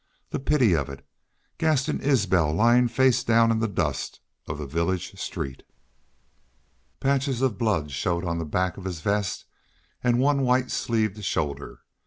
The pity of it! Gaston Isbel lying face down in the dust of the village street! Patches of blood showed on the back of his vest and one white sleeved shoulder.